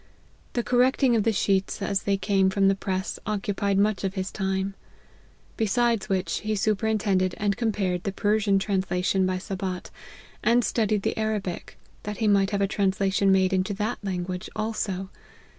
The correcting of the sheets as they came from the press, occupied much of his time : besides which, he superintended and com , pared the Persian translation by Sabat, and studied the Arabic, that he might have a translation made into that language also.